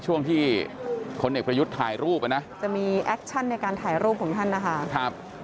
ช่วงที่พลเอกประยุทธ์ถ่ายรูปอ่ะนะจะมีแอคชั่นในการถ่ายรูปของท่านนะคะ